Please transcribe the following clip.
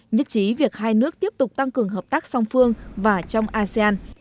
nhất trí việc hai nước tiếp tục tăng cường hợp tác song phương và trong asean